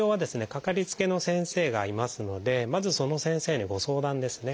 かかりつけの先生がいますのでまずその先生にご相談ですね。